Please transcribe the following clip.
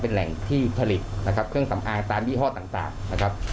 เป็นแหล่งที่ผลิตนะครับเครื่องสำอางตามยี่ห้อต่างนะครับ